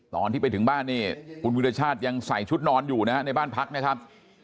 ตอนที่ไปถึงบ้านนี่คุณวิรชาติยังใส่ชุดนอนอยู่นะฮะในบ้านพักนะครับ